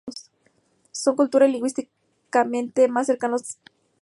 Son cultural y lingüísticamente más cercanos a los zoroastrianos de Irán.